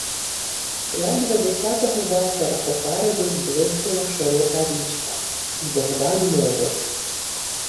Ледве десятого вечора попереду зблиснула широка річка, й Богдан мовив: